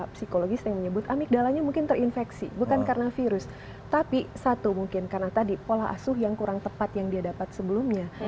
psikologis yang menyebut amigdalanya mungkin terinfeksi bukan karena virus tapi satu mungkin karena tadi pola asuh yang kurang tepat yang dia dapat sebelumnya